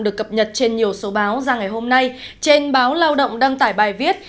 được cập nhật trên nhiều số báo ra ngày hôm nay trên báo lao động đăng tải bài viết